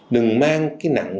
đừng mang cái nặng